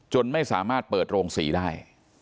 ไม่สามารถเปิดโรงสีได้